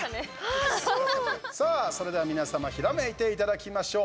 さあ、それでは皆様ひらめいていただきましょう。